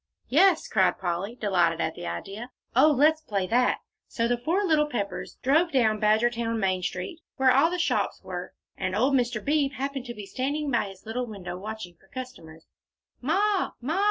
"Yes," cried Polly, delighted at the idea. "Oh, let's play that!" So the four little Peppers drove down Badgertown main street, where all the shops were, and old Mr. Beebe happened to be standing by his little window watching for customers. "Ma Ma!"